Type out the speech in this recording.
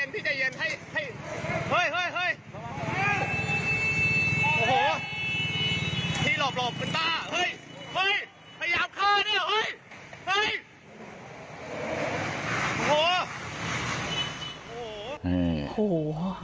พี่หลบกับตี้